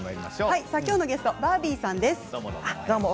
きょうのゲストバービーさんです。